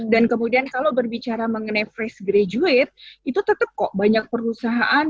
dan kemudian kalau berbicara mengenai fresh graduate itu tetap kok banyak perusahaan